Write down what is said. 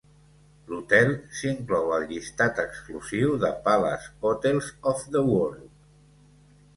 L'hotel s'inclou al llistat exclusiu de Palace Hotels of the World.